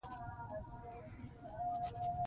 واوره د افغانستان د اجتماعي جوړښت برخه ده.